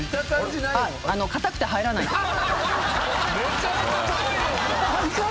硬くて入らないです。